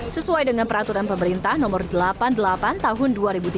sesuai dengan peraturan pemerintah nomor delapan puluh delapan tahun dua ribu tiga belas